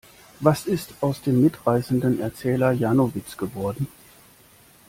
Was ist aus dem mitreißenden Erzähler Janowitz geworden?